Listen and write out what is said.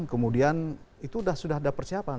kemudian itu sudah dapat